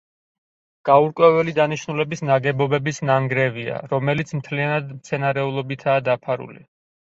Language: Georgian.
გაურკვეველი დანიშნულების ნაგებობების ნანგრევია, რომელიც მთლიანად მცენარეულობითაა დაფარული.